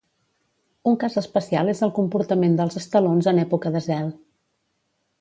Un cas especial és el comportament dels estalons en època de zel.